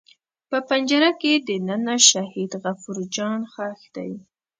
په پنجره کې دننه شهید غفور جان ښخ دی.